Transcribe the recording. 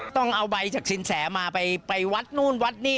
ต้องเอาใบจากสินแสมาไปวัดนู่นวัดนี่